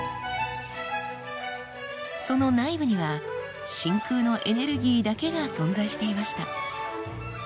その内部には真空のエネルギーだけが存在していました。